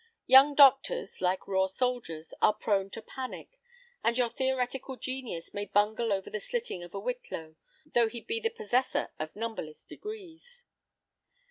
Young doctors, like raw soldiers, are prone to panic, and your theoretical genius may bungle over the slitting of a whitlow, though he be the possessor of numberless degrees.